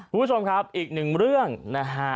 คุณผู้ชมครับอีกหนึ่งเรื่องนะฮะ